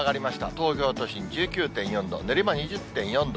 東京都心１９．４度、練馬２０．４度。